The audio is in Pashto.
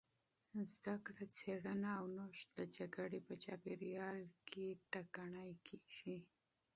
زدهکړه، څېړنه او نوښت د جګړې په چاپېریال کې ټکنۍ کېږي.